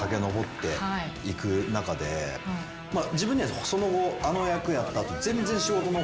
自分にはその後あの役やった後。